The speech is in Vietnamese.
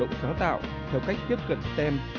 tuy nhiên những hoạt động giáo tạo theo cách tiếp cận stem